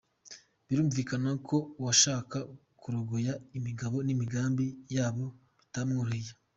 Birumvikana ko uwashaka kurogoya imigabo n’imigambi yabo bitamworohera.